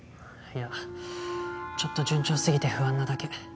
いやちょっと順調すぎて不安なだけ。